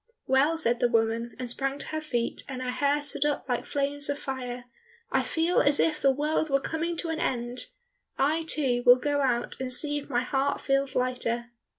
"Well," said the woman, and sprang to her feet and her hair stood up like flames of fire, "I feel as if the world were coming to an end! I, too, will go out and see if my heart feels lighter."